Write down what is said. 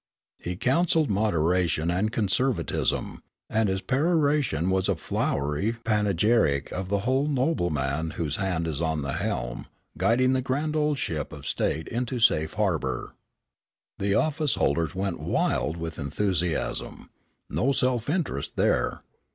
He counseled moderation and conservatism, and his peroration was a flowery panegyric of the "noble man whose hand is on the helm, guiding the grand old ship of state into safe harbor." The office holders went wild with enthusiasm. No self interest there.